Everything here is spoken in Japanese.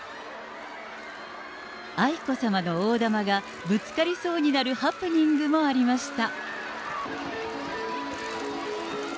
愛子さまの大玉がぶつかりそうになるハプニングもありました。